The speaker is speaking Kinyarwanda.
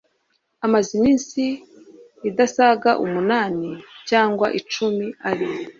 Amaze iminsi idasaga umunani cyangwa icumi ari